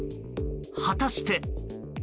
果たして。